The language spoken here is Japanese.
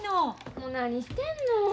もう何してんの。